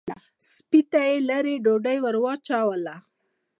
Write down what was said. سپۍ ته یې لېرې ډوډۍ ور واچوله.